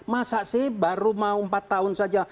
masa sih baru mau empat tahun saja